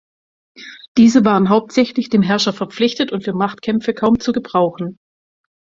Diese waren hauptsächlich dem Herrscher verpflichtet und für Machtkämpfe kaum zu gebrauchen.